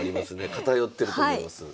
偏ってると思います。